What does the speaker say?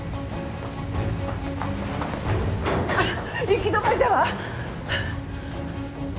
行き止まりだわ。